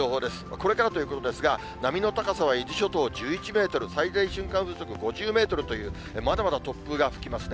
これからということですが、波の高さは伊豆諸島１１メートル、最大瞬間風速５０メートルという、まだまだ突風が吹きますね。